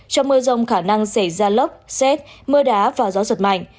trong mưa rông khả năng xảy ra lốc xét mưa đá và gió giật mạnh